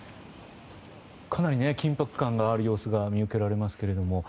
かなり緊迫感がある様子が見受けられますけども。